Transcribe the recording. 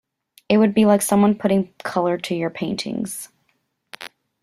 It would be like someone putting color to your paintings.